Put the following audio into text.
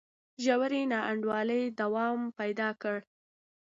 ژورې نا انډولۍ دوام پیدا کړ.